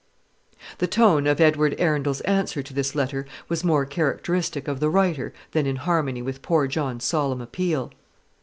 The tone of Edward Arundel's answer to this letter was more characteristic of the writer than in harmony with poor John's solemn appeal.